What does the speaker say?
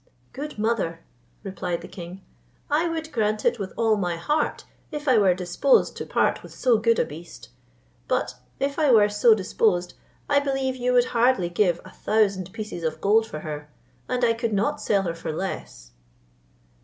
"Good mother," replied the king, "I would grant it with all my heart, if I were disposed to part with so good a beast; but if I were so disposed, I believe you would hardly give a thousand pieces of gold for her, and I could not sell her for less."